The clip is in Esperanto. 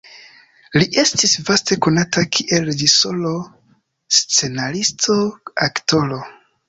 Li estis vaste konata kiel reĝisoro, scenaristo, aktoro.